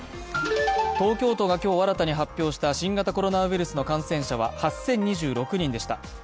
東京都が今日新たに発表した新型コロナウイルスの感染者は８０２６人でした。